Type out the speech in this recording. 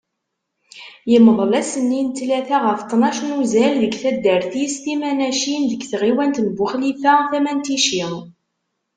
Yemḍel ass-nni n ttlata ɣef ṭnac n uzal deg taddart-is Timanacin deg tɣiwant n Buxlifa, tama n Tici.